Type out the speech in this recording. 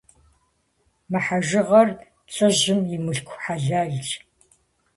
Мы хьэжыгъэр лӀыжьым и мылъку хьэлэлщ.